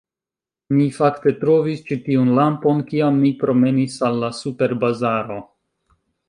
Mi, fakte, trovis ĉi tiun lampon kiam mi promenis al la superbazaro